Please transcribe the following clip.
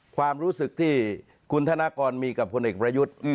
ความรู้สึกที่คุณธนกรมีกับพลเอกประยุทธ์